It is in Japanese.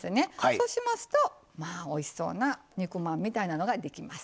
そうしますとまあおいしそうな肉まんみたいなのができます。